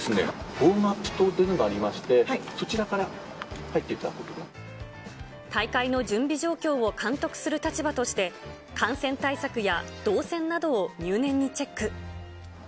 ウォームアップ棟というのがありまして、そちらから入ってい大会の準備状況を監督する立場として、感染対策や動線などを入念にチェック。